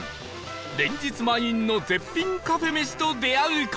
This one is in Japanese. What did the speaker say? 連日満員の絶品カフェ飯と出会う事に